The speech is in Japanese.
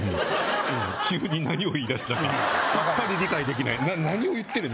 急に何を言いだしたかさっぱり理解できない何を言ってるの？